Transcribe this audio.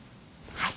はい。